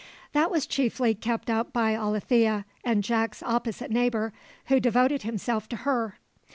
That was chiefly kept up by Alethea and Jack's opposite neighbour, who devoted himself to her.